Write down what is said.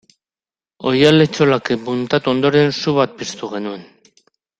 Oihal-etxolak muntatu ondoren su bat piztu genuen.